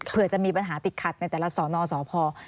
เพื่อจะมีปัญหาติดขัดในแต่ละสอนอสพ